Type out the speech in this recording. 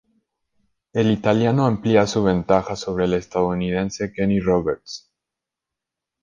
El italiano amplia su ventaja sobre el estadounidense Kenny Roberts.